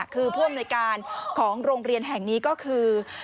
คือผู้อำนวยการของโรงเรียนแห่งนี้ก็คือ